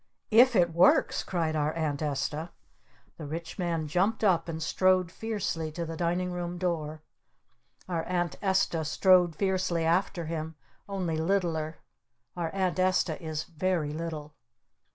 "If it works?" cried our Aunt Esta. The Rich Man jumped up and strode fiercely to the Dining Room door. Our Aunt Esta strode fiercely after him, only littler. Our Aunt Esta is very little.